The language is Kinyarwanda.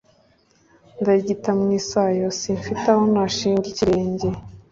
Ndarigita mu isayo simfite aho nashinga ikirenge